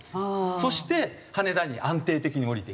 そして羽田に安定的に降りていく。